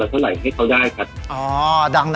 ข้ารองฟิเซียม